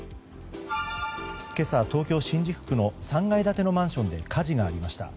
今朝、東京・新宿区の３階建てのマンションで火事がありました。